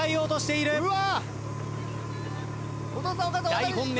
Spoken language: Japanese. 大本命